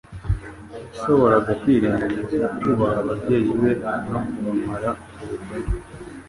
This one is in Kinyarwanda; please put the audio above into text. yashoboraga kwirengagiza kubaha ababyeyi be no kubamara ubukene,